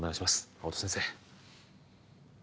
青戸先生